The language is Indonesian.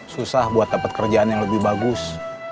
susah buat dapat kerjaan yang lebih bagus